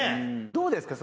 どうですか？